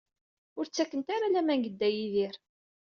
Ur ttakent ara laman deg Dda Yidir.